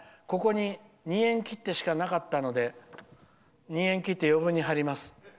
ここに２円切手しかなかったので２円切手を余分に貼ります。